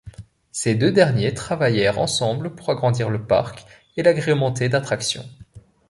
Ces deux derniers travaillèrent ensemble pour agrandir le parc et l'agrémenter d'attractions.